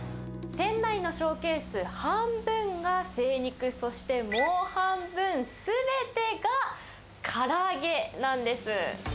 店内のショーケース半分が精肉、そしてもう半分すべてがから揚げなんです。